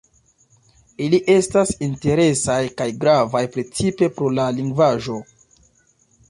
Ili estas interesaj kaj gravaj precipe pro la lingvaĵo.